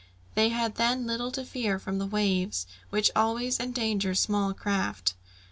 They had then little to fear from the waves, which always endanger small craft.